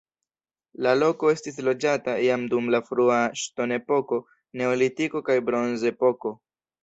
La loko estis loĝata jam dum la frua ŝtonepoko, neolitiko kaj bronzepoko.